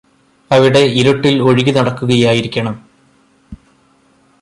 അവിടെ ഇരുട്ടില് ഒഴുകിനടക്കുകയായിരിക്കണം